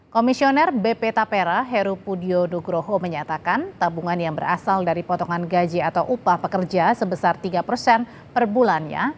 komisioner bp tapera heru pudio nugroho menyatakan tabungan yang berasal dari potongan gaji atau upah pekerja sebesar tiga persen per bulannya